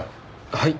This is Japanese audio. はい。